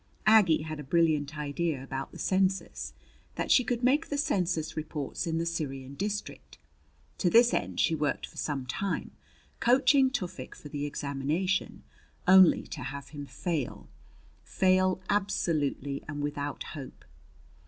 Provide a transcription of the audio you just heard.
Aggie had a brilliant idea about the census that he could make the census reports in the Syrian district. To this end she worked for some time, coaching Tufik for the examination, only to have him fail fail absolutely and without hope.